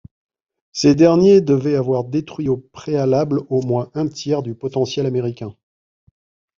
Ces derniers devaient avoir détruit au préalable au moins un tiers du potentiel américain.